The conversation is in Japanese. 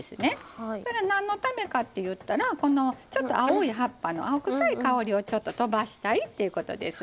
なんのためかっていったらちょっと青い葉っぱの青臭い香りをとばしたいっていうことです。